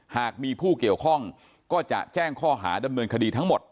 หากมีผู้เกี่ยวข้องก็จะแจ้งข้อหาดำเนินคดีทั้งหมด